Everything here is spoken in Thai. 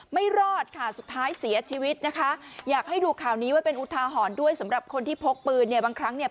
ไม่รอดค่ะสุดท้ายเสียชีวิตนะคะอยากให้ดูข่าวนี้ไว้เป็นอุทาหรณ์ด้วยสำหรับคนที่พกปืนเนี่ยบางครั้งเนี่ย